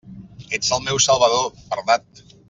Ets el meu salvador, Bernat!